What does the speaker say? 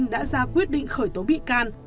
đã ra quyết định khởi tố bị can